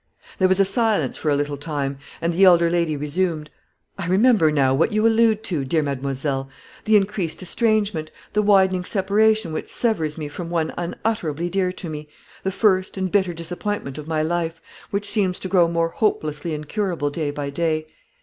There was a silence for a little time, and the elder lady resumed: "I remember now what you allude to, dear mademoiselle the increased estrangement, the widening separation which severs me from one unutterably dear to me the first and bitter disappointment of my life, which seems to grow more hopelessly incurable day by day."